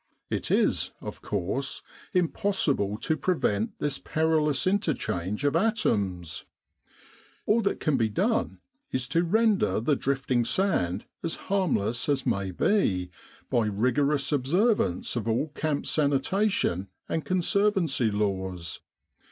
It is, of course, impossible to prevent this perilous interchange of atoms. All that can be done is to render the drifting sand as harmless as may be, by rigorous observance of all camp '57 With the R.A.M.C. in Egypt sanitation and conservancy laws.